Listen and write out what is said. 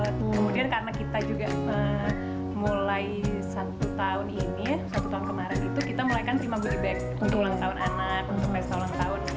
kemudian karena kita juga mulai satu tahun ini ya satu tahun kemarin itu kita mulaikan terima goodie bag untuk ulang tahun anak untuk pesta ulang tahun